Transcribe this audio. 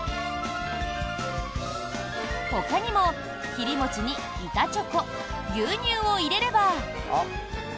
ほかにも、切り餅に板チョコ、牛乳を入れれば。